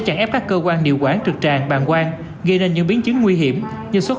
chẳng ép các cơ quan điều quản trực tràng bàn quan gây nên những biến chứng nguy hiểm như xuất